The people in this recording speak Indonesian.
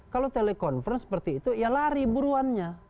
kalau telekonferensi seperti itu ya lari buruannya